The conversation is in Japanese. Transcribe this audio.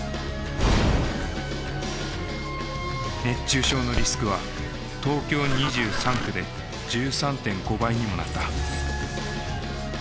熱中症のリスクは東京２３区で１３．５倍にもなった。